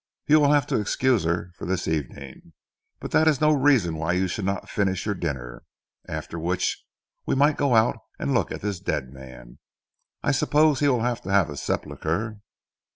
You will have to excuse her for this evening; but that is no reason why you should not finish your dinner, after which we might go out and look at this dead man. I suppose he will have to have sepulchre?"